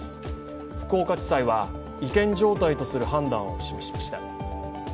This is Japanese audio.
福岡地裁は違憲状態とする判断を示しました。